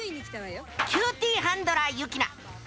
キューティーハンドラーユキナ。